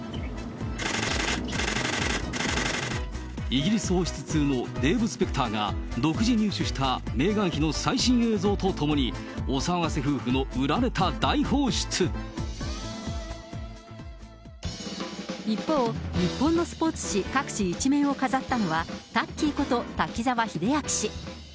イギリス王室通のデーブ・スペクターが独自入手したメーガン妃の最新映像とともに、一方、日本のスポーツ紙各紙１面を飾ったのは、タッキーこと滝沢秀明氏。